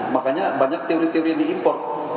makanya banyak teori teori yang diimport